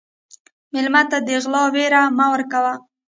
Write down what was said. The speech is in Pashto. مېلمه ته د غلا وېره مه ورکوه.